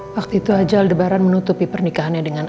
waktu itu aja aldebaran menutupi perang